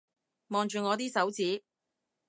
望住我啲手指